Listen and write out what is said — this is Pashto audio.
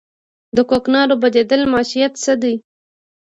د کوکنارو بدیل معیشت څه دی؟